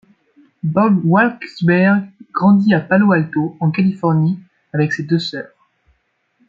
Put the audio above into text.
Bob-Waksberg grandit à Palo Alto, en Californie avec ses deux sœurs.